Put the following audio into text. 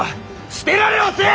捨てられはせん！